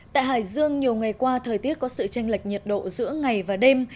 tại hải dương nhiều ngày qua thời tiết có sự tranh lệch nhiệt độ giữa ngày và đêm